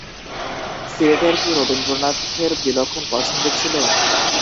সিলেটের কি রবীন্দ্রনাথের বিলক্ষণ পছন্দ ছিল?